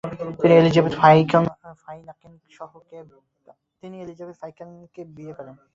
তিনি এলিজাবেথ ফাইনাকেনকে বিয়ে করেন।